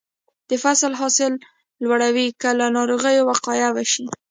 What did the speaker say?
د فصل حاصل لوړوي که له ناروغیو وقایه وشي.